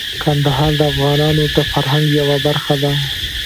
کندهار د افغانانو د فرهنګ یوه برخه ده.